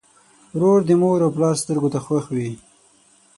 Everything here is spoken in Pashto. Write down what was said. ورور د مور او پلار سترګو ته خوښ وي.